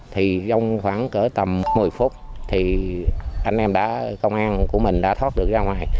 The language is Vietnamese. thì trong khoảng cỡ tầm một mươi phút thì anh em đã công an của mình đã thoát được ra ngoài